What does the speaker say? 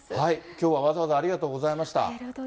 きょうはわざわざありがとうございました。